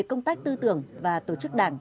công tác tư tưởng và tổ chức đảng